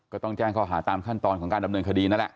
ก็ต้องแจ้งข้อหาตามขั้นตอนของการดำเนินคดีนั่นแหละ